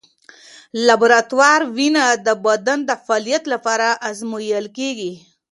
لابراتوار وینه د بدن د فعالیت لپاره ازمویل کېږي.